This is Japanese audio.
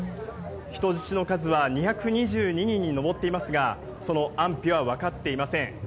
人質の数は２２２人に上っていますが、その安否は分かっていません。